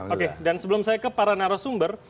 oke dan sebelum saya ke para narasumber